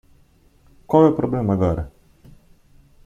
Qual é o problema agora?